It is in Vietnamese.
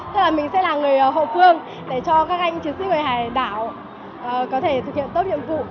tức là mình sẽ là người hậu phương để cho các anh chiến sĩ về hải đảo có thể thực hiện tốt nhiệm vụ